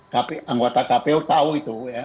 dan anggota kpu tahu itu ya